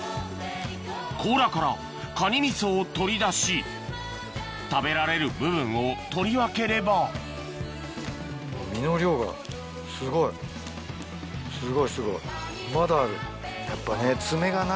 甲羅からカニ味噌を取り出し食べられる部分を取り分ければすごいすごい。